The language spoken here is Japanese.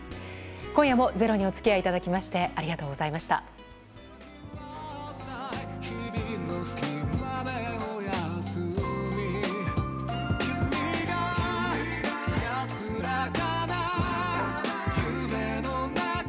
今夜も「ｚｅｒｏ」にお付き合いいただきましてありがとうございました。